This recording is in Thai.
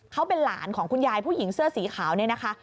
เขาเป็นหลานของคุณยายผู้หญิงเสื้อสีขาวเนี่ยนะคะ